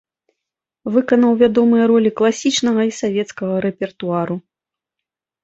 Выканаў вядомыя ролі класічнага і савецкага рэпертуару.